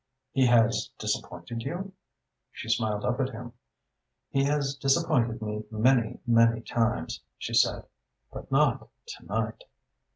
"He has disappointed you?" She smiled up at him. "He has disappointed me many, many times," she said, "but not to night."